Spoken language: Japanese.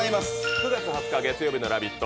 ９月２０日月曜日の「ラヴィット！」。